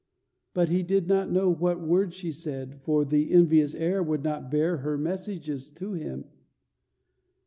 But he did not know what words she said, for the envious air would not bear her messages to him.